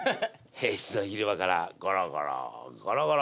平日の昼間からゴロゴロゴロゴロ